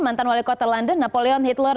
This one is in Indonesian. mantan wali kota london napoleon hitler